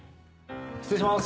失礼します。